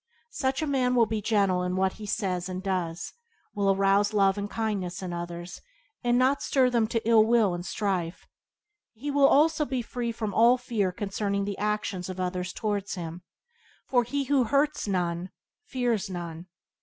Such a man will be gently in what he says and does, will arouse love and kindness in others, and not stir them up to ill will and strife. He will also be free from all fear concerning the actions of others towards him, for he who hurts none fears none.